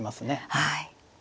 はい。